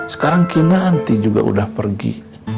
sekarang kena nanti juga udah pergi